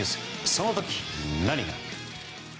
その時、何が。